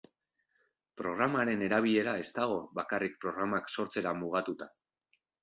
Programaren erabilera ez dago bakarrik programak sortzera mugatuta.